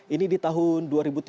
ini di tahun dua ribu tiga belas